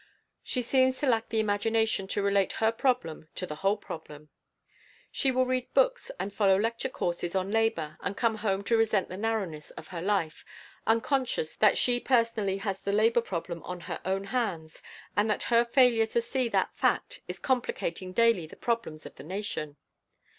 She seems to lack the imagination to relate her problem to the whole problem. She will read books and follow lecture courses on Labor and come home to resent the narrowness of her life, unconscious that she personally has the labor problem on her own hands and that her failure to see that fact is complicating daily the problems of the nation.